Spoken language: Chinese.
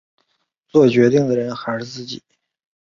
作决定的人还是你自己